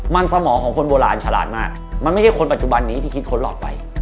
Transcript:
มันสมองของคนโบราณฉลาดมากมันไม่ใช่คนปัจจุบันนี้ที่คิดค้นหลอดไฟ